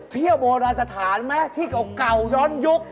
เที่ยวโบราณสถานไหมที่เก่าย้อนยุค